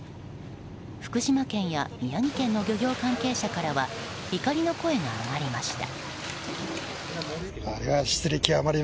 福島県や宮城県の漁業関係者からは怒りの声が上がりました。